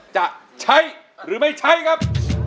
จะใช้หรือไม่ใช้ครับ